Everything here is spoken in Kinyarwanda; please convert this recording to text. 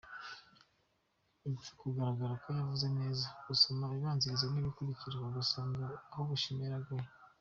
Ibipfa kugaragara ko yavuze neza, usoma ibibibanziriza n’ibibikurikira ugasanga aho gushima yaragaye.